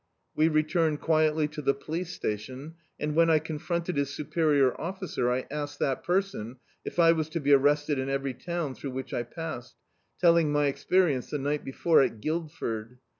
We returned quietly to the police station, and when I confronted his superior officer, I asked that person if I was to be arrested in every town throu^ which I passed; telling my experience the ni^t before at Guildford.